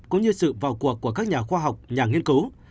cũng như sự vào cuộc của các nhà khoa học nhà nghiên cứu